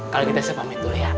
kalau gitu saya pamit dulu ya